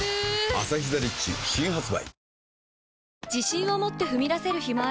「アサヒザ・リッチ」新発売